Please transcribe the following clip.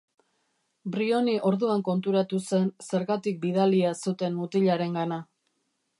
Briony orduan konturatu zen zergatik bidalia zuten mutilarengana.